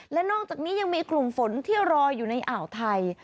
และนอกจากนี้ยังมีกลุ่มฝนที่รออยู่ในอ่าวไทย